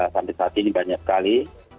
sampai saat ini banyak sekali